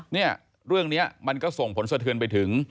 เนี่ยเรื่องนี้มันก็ส่งผลสะเทือนไปถึง